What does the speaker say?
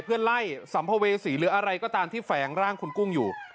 เพื่อไล่สัมภเวษีหรืออะไรก็ตามที่แฝงร่างคุณกุ้งอยู่